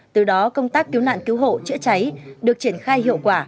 từ đó công tác cứu nạn cứu hộ chữa cháy được triển khai hiệu quả